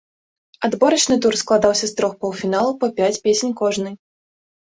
Адборачны тур складаўся з трох паўфіналаў па пяць песень кожны.